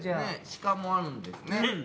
シカもあるんですね。